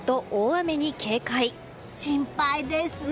心配です。